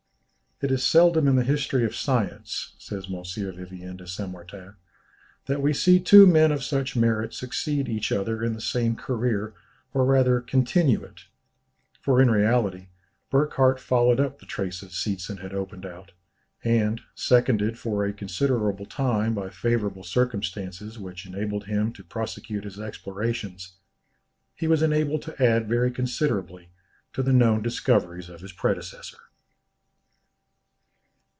"It is seldom in the history of science," says M. Vivien de Saint Martin, "that we see two men of such merit succeed each other in the same career or rather continue it; for in reality Burckhardt followed up the traces Seetzen had opened out, and, seconded for a considerable time by favourable circumstances which enabled him to prosecute his explorations, he was enabled to add very considerably to the known discoveries of his predecessor."